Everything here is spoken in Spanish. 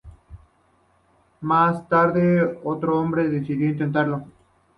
Más tarde, otro hombre decidió intentarlo.